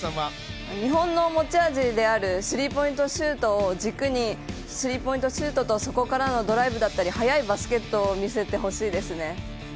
日本の持ち味であるスリーポイントシュートを軸にスリーポイントシュートとそこからのドライブだったり、速いバスケットを見せてほしいですね。